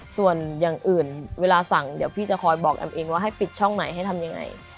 ส่วนอย่างอื่นเวลาสั่งเดี๋ยวพี่จะคอยบอกแอมเองว่าให้ปิดช่องไหนให้ทำยังไง